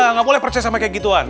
nggak boleh percaya sama kayak gituan